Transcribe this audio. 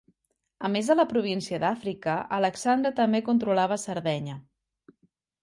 A més de la província d'Àfrica, Alexandre també controlava Sardenya.